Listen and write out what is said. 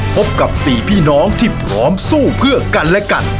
พบกับ๔พี่น้องที่พร้อมสู้เพื่อกันและกัน